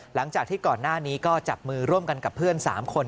หลังจากที่ก่อนหน้านี้ก็จับมือร่วมกันกับเพื่อน๓คน